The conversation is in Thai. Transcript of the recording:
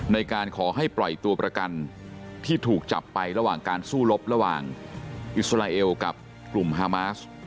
ในการขอให้ปล่อยตัวประกันที่ถูกจับไประหว่างการสู้รบระหว่างอิสราเอลกับกลุ่มฮามาส